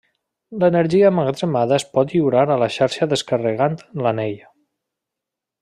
L'energia emmagatzemada es pot lliurar a la xarxa descarregant l'anell.